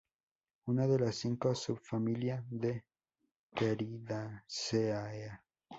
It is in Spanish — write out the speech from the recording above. Una de las cinco subfamilia de Pteridaceae.